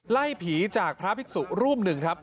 ไล่ผีจากพระภิกษุรูปหนึ่งครับ